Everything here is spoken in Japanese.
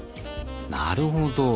なるほど。